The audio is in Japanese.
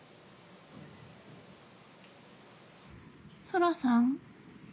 そらさん。